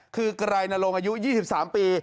คือไกรนรงค์อายุ๒๓ปี